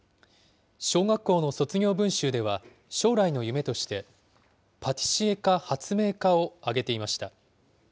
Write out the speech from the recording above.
小学校の卒業文集では、将来の夢として、パティシエか発明家を挙げていました。